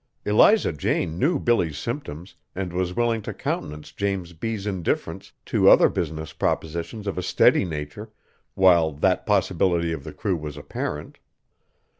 Eliza Jane knew Billy's symptoms and was willing to countenance James B.'s indifference to other business propositions of a steady nature, while that possibility of the crew was apparent.